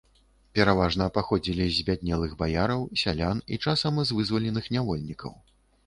Пераважна паходзілі з збяднелых баяраў, сялян і часам з вызваленых нявольнікаў.